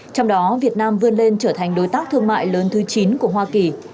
trong đó việt nam vươn lên trở thành đối tác thương mại lớn thứ chín của hoa kỳ